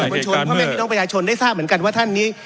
บนชนพ่อแม่พี่น้องประชาชนได้ทราบเหมือนกันว่าท่านนี้